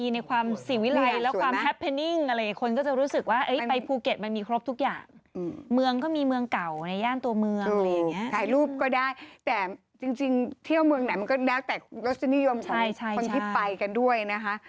น่ะมันก็ได้แล้วก็นิยมเชคที่ไปกันด้วยนะคะ